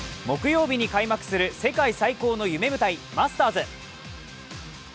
木曜日に開幕する世界最高の夢舞台、マスターズ。